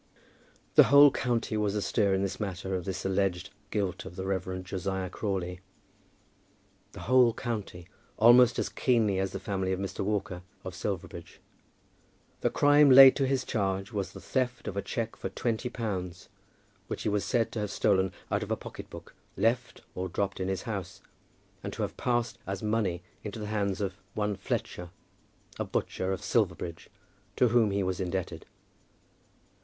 The whole county was astir in this matter of this alleged guilt of the Reverend Josiah Crawley, the whole county, almost as keenly as the family of Mr. Walker, of Silverbridge. The crime laid to his charge was the theft of a cheque for twenty pounds, which he was said to have stolen out of a pocket book left or dropped in his house, and to have passed as money into the hands of one Fletcher, a butcher of Silverbridge, to whom he was indebted.